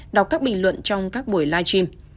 đọc các bình luận trong các buổi live stream